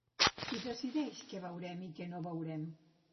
Qui decideix què veurem i què no veurem?